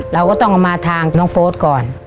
เราก็ต้องเอามาทางน้องโฟสก่อน